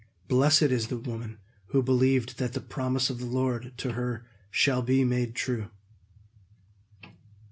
Blessed is the woman who believed that the promise of the Lord to her shall be made true!"